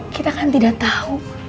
kita kan tidak tahu